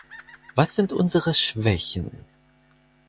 Was sind unsere Schwächen?